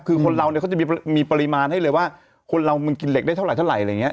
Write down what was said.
คือคนเราเนี่ยเขาจะมีปริมาณให้เลยว่าคนเรามันกินเหล็กได้เท่าไหรอะไรอย่างนี้